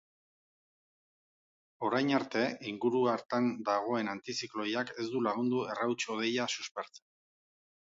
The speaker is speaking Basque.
Orain arte, inguru hartan dagoen antizikloiak ez du lagundu errauts hodeia suspertzen.